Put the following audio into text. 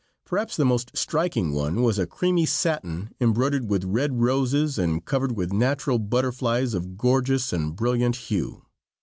Perhaps the most striking one was a creamy satin embroidered with red roses and covered with natural butterflies of gorgeous and brilliant hue.